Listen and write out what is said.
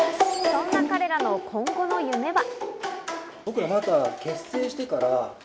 そんな彼らの今後の夢は？